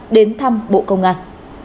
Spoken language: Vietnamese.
đến thăm bộ công an